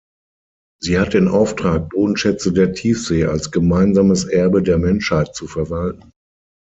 Sie hat den Auftrag, Bodenschätze der Tiefsee als „gemeinsames Erbe der Menschheit“ zu verwalten.